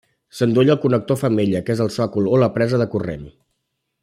S'endolla al connector femella que és el sòcol o la presa de corrent.